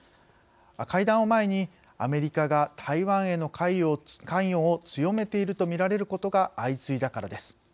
会談を前に、アメリカが台湾への関与を強めているとみられることが相次いだからです。